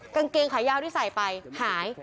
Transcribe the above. กางเกงขายาวที่ใส่ไปหาย